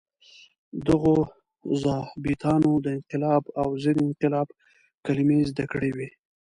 دغو ظابیطانو د انقلاب او ضد انقلاب کلمې زده کړې وې.